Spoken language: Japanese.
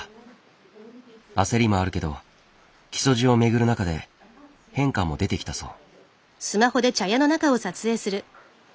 焦りもあるけど木曽路を巡る中で変化も出てきたそう。